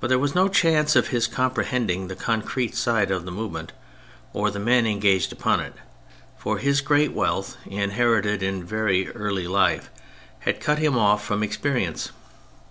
But there was no chance of his comprehending the concrete side of the move ment or the men engaged upon it, for his great wealth, inherited in very early life, had cut him off from experience.